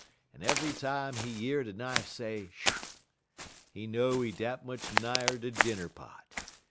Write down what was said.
_ en ev'y time he year de knife say shirrah! he know he dat much nigher de dinner pot.